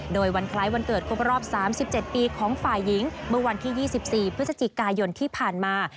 โดยวันคล้ายวันเกิดครบรอบ๓๗ปีของฝ่ายหญิงเมื่อวันที่๒๔พฤศจิกายนที่ผ่านมา